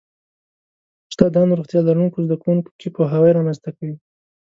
استادان روغتیا لرونکو زده کوونکو کې پوهاوی رامنځته کوي.